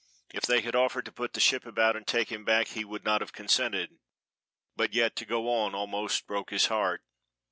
If they had offered to put the ship about and take him back he would not have consented, but yet to go on almost broke his heart.